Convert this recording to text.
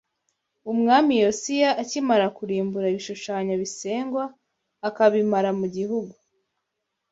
Umwami Yosiya akimara kurimbura ibishushanyo bisengwa akabimara mu gihugu